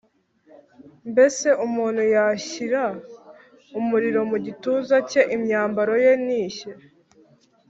mbese umuntu yashyira umuriro mu gituza cye, imyambaro ye ntishye’